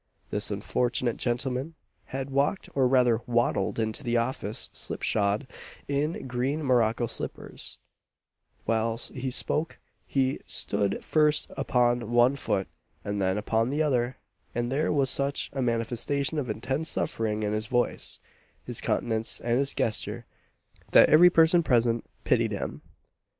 This unfortunate gentleman had walked or rather waddled into the office slip shod, in green morocco slippers: whilst he spoke, he stood first upon one foot, and then upon the other; and there was such a manifestation of intense suffering in his voice, his countenance and his gesture, that every person present pitied him.